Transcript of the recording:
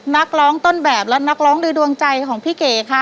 นักร้องต้นแบบและนักร้องโดยดวงใจของพี่เก๋ค่ะ